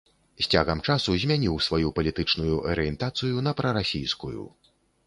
З цягам часу змяніў сваю палітычную арыентацыю на прарасійскую.